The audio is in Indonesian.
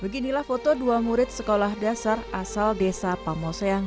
beginilah foto dua murid sekolah dasar asal desa pamoseang